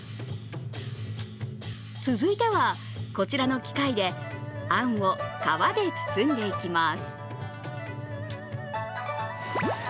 続いては、こちらの機械であんを皮で包んでいきます。